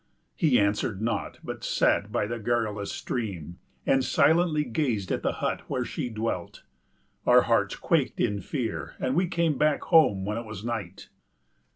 He answered not but sat by the garrulous stream and silently gazed at the hut where she dwelt. Our hearts quaked in fear and we came back home when it was night.